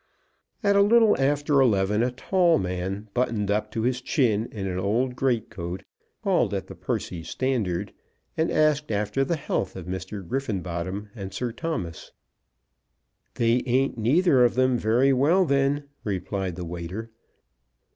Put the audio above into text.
At a little after eleven a tall man, buttoned up to his chin in an old great coat, called at the Percy Standard, and asked after the health of Mr. Griffenbottom and Sir Thomas. "They ain't neither of them very well then," replied the waiter.